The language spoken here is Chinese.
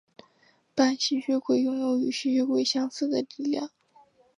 半吸血鬼拥有与吸血鬼相似的力量。